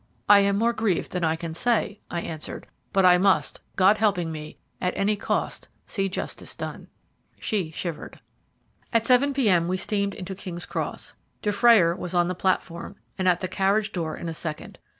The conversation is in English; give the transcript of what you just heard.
"I am more grieved than I can say," I answered; "but I must, God helping me, at any cost see justice done." She shivered. At 7 p.m. we steamed into King's Cross. Dufrayer was on the platform, and at the carriage door in a second.